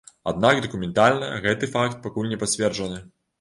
Аднак дакументальна гэты факт пакуль не пацверджаны.